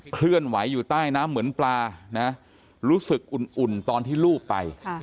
เคลื่อนไหวอยู่ใต้น้ำเหมือนปลานะรู้สึกอุ่นตอนที่ลูบไป